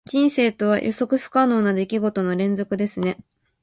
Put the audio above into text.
人生とは、予測不可能な出来事の連続ですね。